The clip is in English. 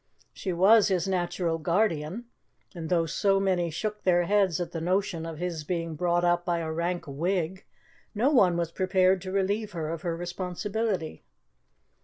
She was his natural guardian, and, though so many shook their heads at the notion of his being brought up by a rank Whig, no one was prepared to relieve her of her responsibility.